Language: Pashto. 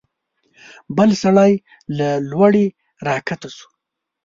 بل سړی له لوړې راکښته شو.